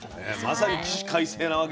まさに起死回生なわけですね